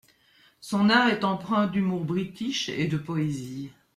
Son art est empreint d'humour british et de poésie.